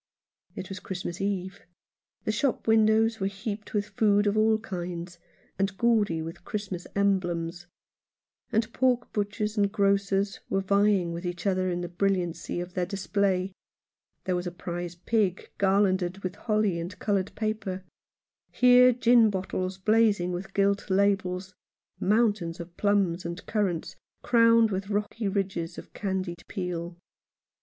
It was Christmas Eve. The shop windows were heaped with food of all kinds, and gaudy with Christmas emblems ; and pork butchers and grocers were vying with each other in the brilliancy of their display — there a prize pig garlanded with holly and coloured paper, here gin bottles blazing with gilt labels, mountains of plums and currants crowned with rocky ridges of candied peel.